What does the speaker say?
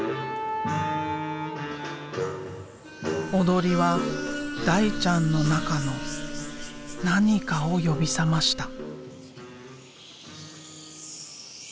踊りは大ちゃんの中の何かを呼び覚ました。